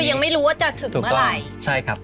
ก็คือยังไม่รู้ว่าจะถึงเมื่อไหร่ถูกต้องใช่ครับ